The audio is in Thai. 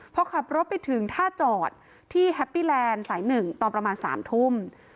พอขับรถไปถึงท่าจอดที่แฮปปี้แลนด์สาย๑ตอนประมาณ๓ทุ่ม